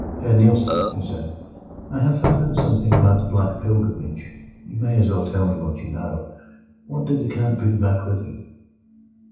"Herr Nielsen," he said, "I have found out something about the Black Pilgrimage. You may as well tell me what you know. What did the Count bring back with him?"